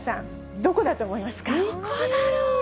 どこだろう。